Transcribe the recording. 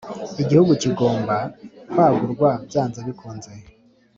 igihugu kigomba kwagurwa byanze bikunze.